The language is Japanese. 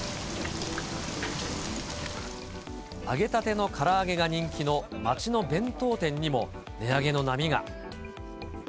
揚げたてのから揚げが人気の街の弁当店にも、値上げの波が。